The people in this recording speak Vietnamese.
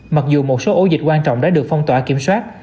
mặc dù một số ổ dịch quan trọng đã được phong tỏa kiểm soát